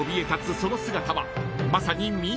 その姿はまさに］